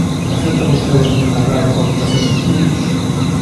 ¿Acepta vostede, señor Cadrado, a votación por puntos?